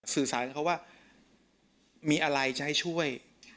สื่อสารกับเขาว่ามีอะไรจะให้ช่วย